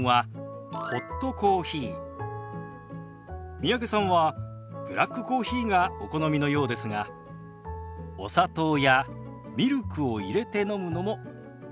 三宅さんはブラックコーヒーがお好みのようですがお砂糖やミルクを入れて飲むのもおすすめです。